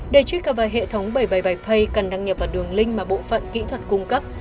để truy cập vào hệ thống bảy trăm bảy mươi bảy pay cần đăng nhập vào đường link mà bộ phận kỹ thuật cung cấp